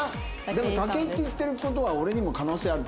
でも武井って言ってるって事は俺にも可能性ある。